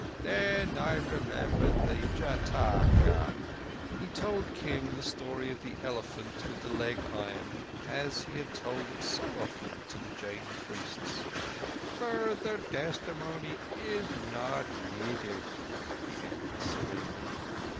Then I remembered the Jâtaka." He told Kim the story of the elephant with the leg iron, as he had told it so often to the Jam priests. "Further testimony is not needed," he ended serenely.